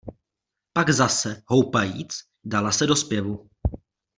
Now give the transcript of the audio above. Pak zase, houpajíc, dala se do zpěvu.